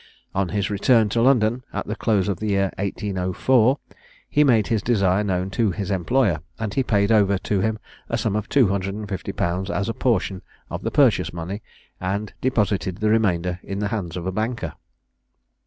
On his return to London at the close of the year 1804, he made his desire known to his employer, and he paid over to him a sum of 250_l._ as a portion of the purchase money, and deposited the remainder in the hands of a banker.